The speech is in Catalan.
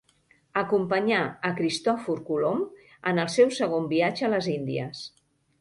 Acompanyà a Cristòfor Colom en el seu segon viatge a les Índies.